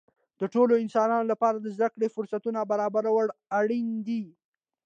د ټولو انسانانو لپاره د زده کړې فرصتونه برابرول اړین دي.